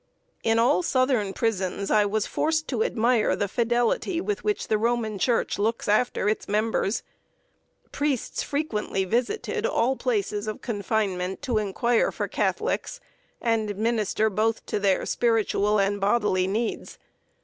In all southern prisons I was forced to admire the fidelity with which the Roman Church looks after its members. Priests frequently visited all places of confinement to inquire for Catholics, and minister both to their spiritual and bodily needs.